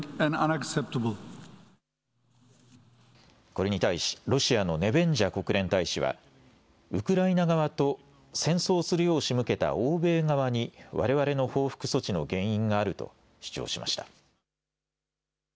これに対し、ロシアのネベンジャ国連大使は、ウクライナ側と戦争するよう仕向けた欧米側に、われわれの報復措置の原因があると主張しました。